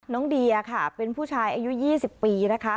เดียค่ะเป็นผู้ชายอายุ๒๐ปีนะคะ